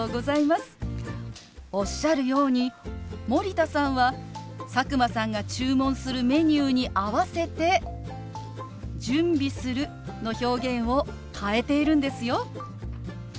おっしゃるように森田さんは佐久間さんが注文するメニューに合わせて「準備する」の表現を変えているんですよ。